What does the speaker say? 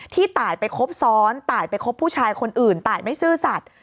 ตายไปครบซ้อนตายไปคบผู้ชายคนอื่นตายไม่ซื่อสัตว์